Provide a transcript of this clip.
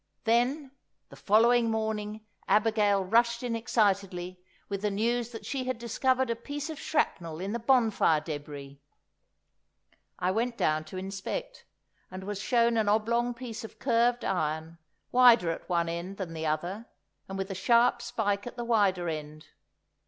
Then the following morning Abigail rushed in excitedly with the news that she had discovered a piece of shrapnel in the bonfire débris. I went down to inspect, and was shown an oblong piece of curved iron, wider at one end than the other, and with a sharp spike at the wider end.